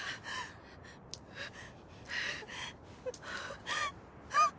ああ。